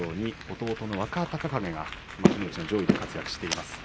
弟の若隆景が幕内上位で活躍しています。